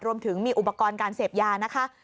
รวมถึงมีอุปกรณ์การเสพยานะคะ